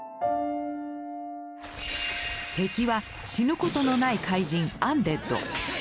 敵は死ぬことのない怪人アンデッド。